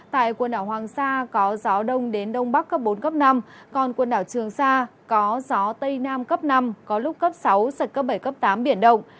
tại quần đảo hoàng sa có gió đông đến đông bắc cấp bốn năm còn quần đảo trường sa có gió tây nam cấp năm có lúc cấp sáu giật cấp bảy cấp tám biển động